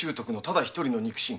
ただ一人の肉親。